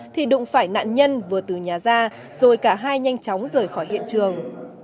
thì đụng phải nạn nhân vừa từ nhà ra rồi cả hai nhanh chóng rời khỏi hiện trường